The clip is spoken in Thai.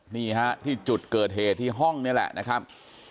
นี่ฮะที่จุดเกิดเหตุที่ห้องนี่แหละนะครับ